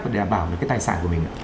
để đảm bảo được cái tài sản của mình